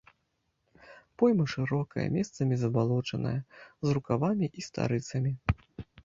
Пойма шырокая, месцамі забалочаная, з рукавамі і старыцамі.